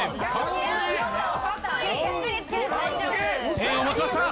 ペンを持ちました！